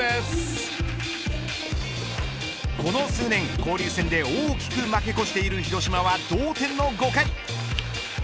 この数年、交流戦で大きく負け越している広島は同点の５回。